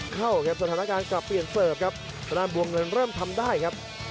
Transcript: เข้าครับสถานการณ์กลับเปลี่ยนเสิร์ฟครับทางด้านบวงเงินเริ่มทำได้ครับ